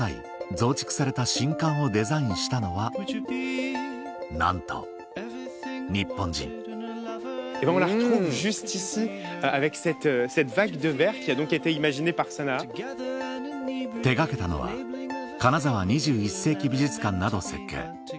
増築された新館をデザインしたのはなんと日本人手掛けたのは金沢２１世紀美術館など設計